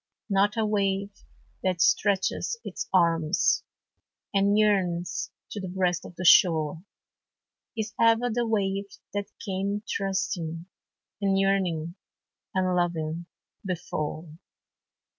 Not a wave that stretches its arms, And yearns to the breast of the shore, Is ever the wave that came trusting, And yearning, and loving, before.